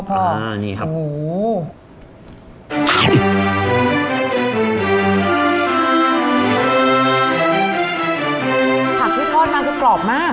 ผักที่ทอดมาคือกรอบมาก